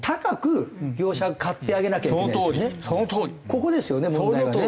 ここですよね問題がね。